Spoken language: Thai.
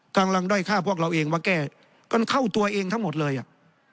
กำลังด้อยฆ่าพวกเราเองมาแก้กันเข้าตัวเองทั้งหมดเลยอ่ะ